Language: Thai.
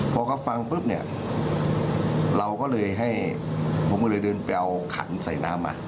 พอเขาฟังปุ๊บเนี่ยเราก็เลยให้ผมก็เลยเดินไปเอาขันใส่น้ำมา